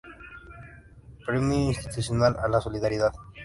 Premio Institucional a la Solidaridad.